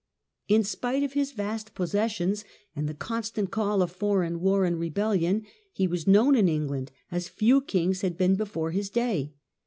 In spite of his vast possessions, and the constant call of foreign war and rebellion, he was known in England as few kings had been '•*"*«"«y' before his day.